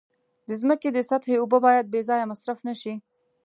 د ځمکې د سطحې اوبه باید بې ځایه مصرف نشي.